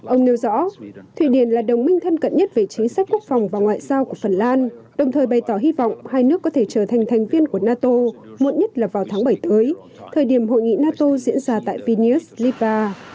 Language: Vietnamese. ông nêu rõ thụy điển là đồng minh thân cận nhất về chính sách quốc phòng và ngoại giao của phần lan đồng thời bày tỏ hy vọng hai nước có thể trở thành thành viên của nato muộn nhất là vào tháng bảy tới thời điểm hội nghị nato diễn ra tại vinis lifa